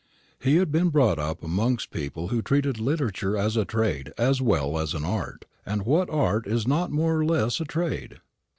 He had been brought up amongst people who treated literature as a trade as well as an art; and what art is not more or less a trade?